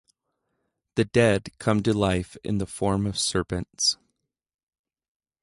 The dead come to life in the form of serpents.